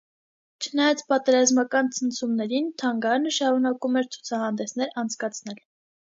Չնայած պատերազմական ցնցումներին՝ թանգարանը շարունակում էր ցուցահանդեսներ անցկացնել։